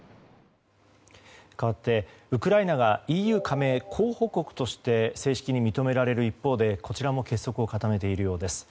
かわって、ウクライナがＥＵ加盟候補国として正式に認められる一方でこちらも結束を固めているようです。